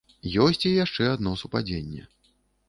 Ёсць і яшчэ адно супадзенне.